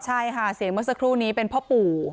ใช่ค่ะเสียงเมื่อสักครู่นี้เป็นพ่อปู่